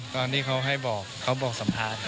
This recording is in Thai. ตอนที่เขาให้บอกเขาบอกสัมภาษณ์